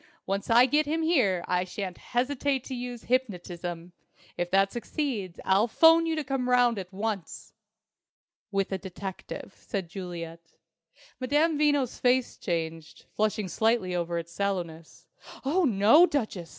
Once I get him here I shan't hesitate to use hypnotism. If that succeeds, I'll 'phone you to come round at once." "With a detective," said Juliet. Madame Veno's face changed, flushing slightly over its sallowness. "Oh, no, Duchess!"